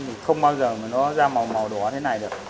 mình không bao giờ mà nó ra màu đỏ thế này được